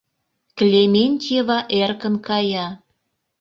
Клементьева эркын кая.